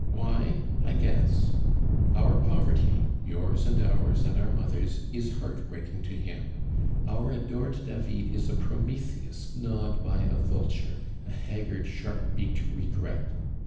Why, I guess. Our poverty, yours, and ours, and our mother's, is heartbreaking to him. Our adored David is a Prometheus gnawed by a vulture, a haggard, sharp beaked regret.